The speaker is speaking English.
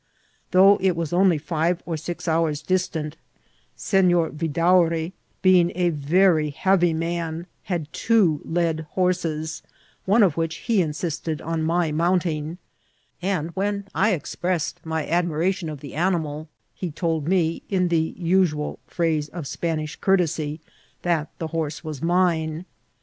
Though it was only five or six hours' distant, Sedor Vidaury, being a very heavy man, had two led horses, one of which he insisted on my mounting ; and when I expressed my admiration of the animal, he told me, in the usual phrase of Spanish courtesy, that the horse wbs mine.